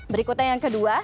berikutnya yang kedua